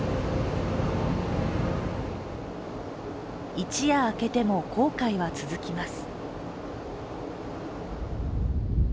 一夜明けても航海は続きます。